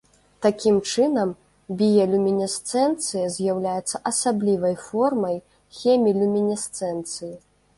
Такім чынам, біялюмінесцэнцыя з'яўляецца асаблівай формай хемілюмінесцэнцыі.